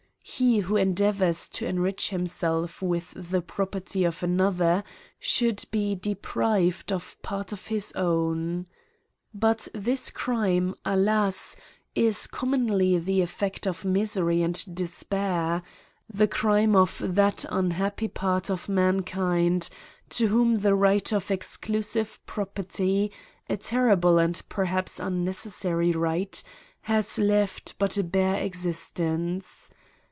He who en deavours to enrich himself with the property of another should be deprived of part of his own. But this crime, alas ! is commonly the effect of misery and despair ; the crime of that unhappy part of mankind to whom the right of exclusive property, a terrible and perhaps unnecessary right, has left but a bare existence.